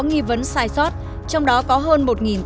nghi vấn sai sót trong đó có hơn